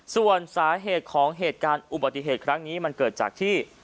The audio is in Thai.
ส่วนสาเหตุของเหตุการณ์อุบัติเหตุครั้งนี้มันเกิดจากที่